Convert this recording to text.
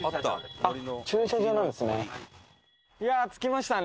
駐車場なんですね。